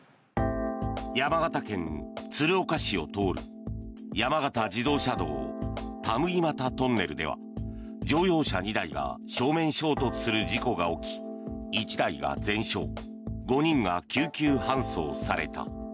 山形県鶴岡市を通る山形自動車道田麦俣トンネルでは乗用車２台が正面衝突する事故が起き１台が全焼５人が救急搬送された。